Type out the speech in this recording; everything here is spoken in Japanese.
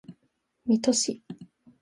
水戸市